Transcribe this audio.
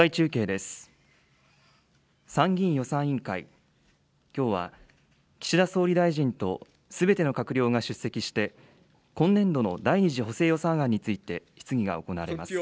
参議院予算委員会、きょうは岸田総理大臣とすべての閣僚が出席して、今年度の第２次補正予算案について、質疑が行われます。